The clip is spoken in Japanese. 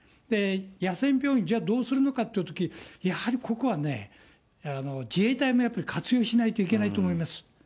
野戦病院、じゃあ、どうするのかっていうとき、やはり、ここはね、自衛隊もやっぱり活用しないといけないと思います。